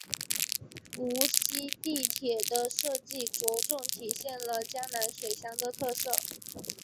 无锡地铁的设计着重体现了江南水乡的特色。